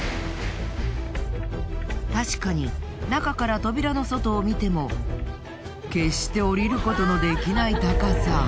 確かに中から扉の外を見ても決して下りることのできない高さ。